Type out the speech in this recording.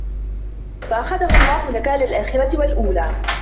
فَأَخَذَهُ اللَّهُ نَكالَ الآخِرَةِ وَالأولى